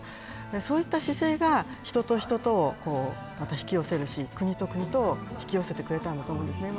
そういった姿勢が、人と人とをまた引き寄せるし、国と国とを引き寄せてくれたんだと思います。